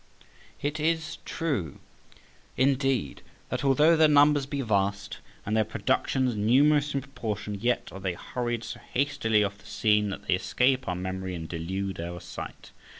It is true, indeed, that although their numbers be vast and their productions numerous in proportion, yet are they hurried so hastily off the scene that they escape our memory and delude our sight.